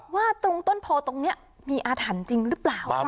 ว่าตรงต้นโพตรงนี้มีอาถรรพ์จริงหรือเปล่า